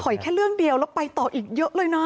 แค่เรื่องเดียวแล้วไปต่ออีกเยอะเลยนะ